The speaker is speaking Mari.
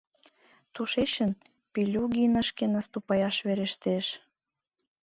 Тушечын Пильугинышке наступаяш верештеш.